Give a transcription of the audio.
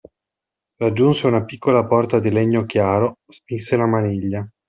Raggiunse una piccola porta di legno chiaro, spinse la maniglia.